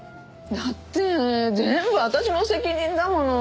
だって全部私の責任だもの。